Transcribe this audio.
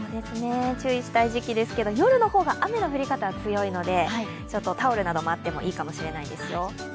注意したい時期ですが、夜の方が雨の降り方強いのでタオルなどもあってもいいかもしれないですよ。